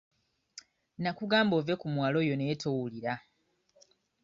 Nnakugamba ove ku muwala oyo naye towulira.